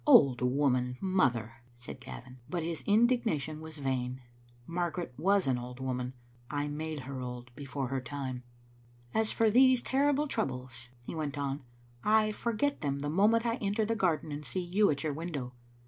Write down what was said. "Old woman, mother!" said Gavin. But his indig nation was vain. Margaret was an old woman. I made her old before her time. "As for these terrible troubles," he went on, "I for get them the moment I enter the garden and see you at your window.